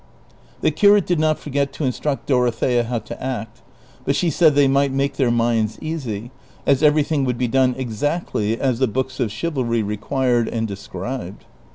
The curate did not forget to instruct Dorothea how to act, but she said they might make their minds easy, as everything would be done exac tly as the books of chivalry required and de scribed.